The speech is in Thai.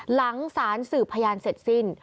หลังสารสืบพยานเสร็จสิ้น